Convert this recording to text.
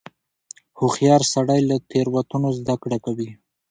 هوښیار سړی له تېروتنو زده کړه کوي.